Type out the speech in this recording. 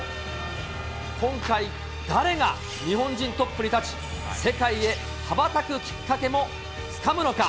今回、誰が日本人トップに立ち、世界へ羽ばたくきっかけもつかむのか。